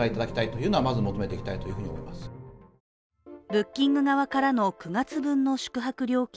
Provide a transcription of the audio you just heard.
ブッキング側からの９月分の宿泊料金